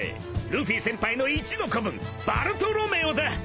ルフィ先輩の一の子分バルトロメオだ。